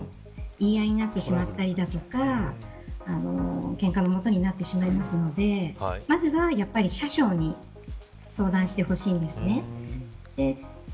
やっぱり直接言ってしまうと言い合いになってしまったりだとかけんかのもとになってしまいますのでまずは車掌に相談してほしいですよね。